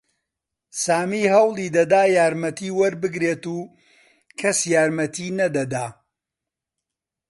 سامی هەوڵی دەدا یارمەتی وەربگرێت و کەس یارمەتیی نەدەدا.